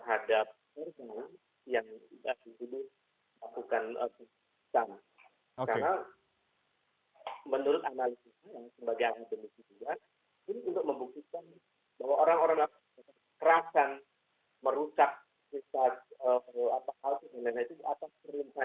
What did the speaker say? atas perintahnya pegang menunggulan